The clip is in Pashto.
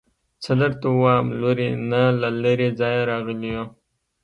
څه درته ووايم لورې نه له لرې ځايه راغلي يو.